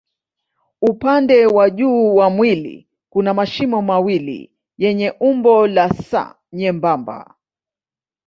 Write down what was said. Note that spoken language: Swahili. Upande wa juu wa mwili kuna mashimo mawili yenye umbo la S nyembamba.